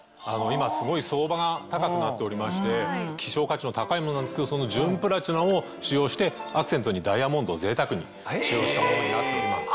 今すごい相場が高くなっておりまして希少価値の高いものなんですけどその純プラチナを使用してアクセントにダイヤモンドを贅沢に使用したものになっております。